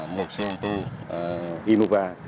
một xe tù